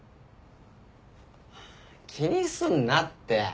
気にすんなって。